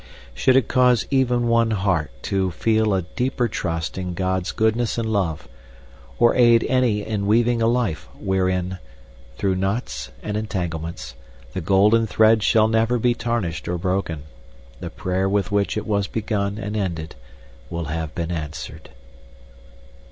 Should it cause even one heart to feel a deeper trust in God's goodness and love, or aid any in weaving a life, wherein, through knots and entanglements, the golden thread shall never be tarnished or broken, the prayer with which it was begun and ended will have been answered.